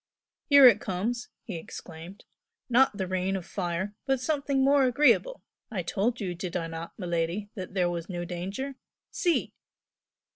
"Here it comes!" he exclaimed "Not the rain of fire, but something more agreeable! I told you, did I not, miladi, that there was no danger? See!"